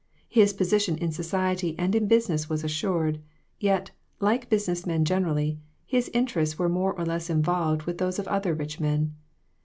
His position in society anc? in business was assured, yet, like business men generally, his interests were more or less involved with those of other rich men.